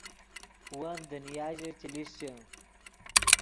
ون دنیا ژے چے لیشچے